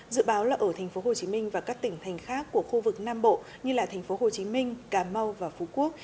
dự báo là ở tp hcm và các tỉnh thành khác của khu vực nam bộ như là tp hcm cà mau và phú quốc